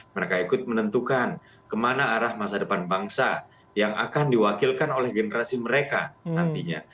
mereka ikut menentukan kemana arah masa depan bangsa yang akan diwakilkan oleh generasi mereka nantinya